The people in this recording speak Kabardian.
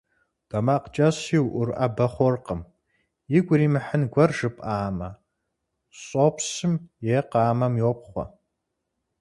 Тэмакъкӏэщӏщи уӏурыӏэбэ хъуркъым. Игу иримыхьын гуэр жыпӏамэ, щӏопщым е къамэм йопхъуэ.